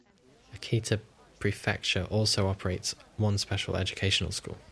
Akita Prefecture also operates one special education school.